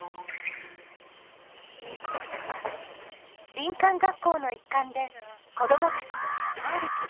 林間学校の一環で子どもたちと山歩き。